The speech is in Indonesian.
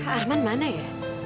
arman mana ya